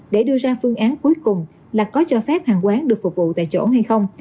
để đưa ra phương án cuối cùng là có cho phép hàng quán được phục vụ tại chỗ hay không